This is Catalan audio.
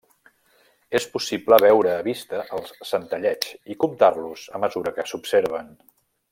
És possible veure a vista els centelleigs i comptar-los a mesura que s'observen.